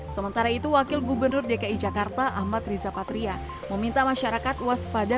sementara itu wakil gubernur dki jakarta ahmad riza patria meminta masyarakat waspada